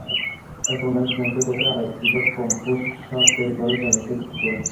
এখন একজনকে দেখে আরেক কৃষক কম্পোস্ট সার তৈরি করে জমিতে দিচ্ছেন।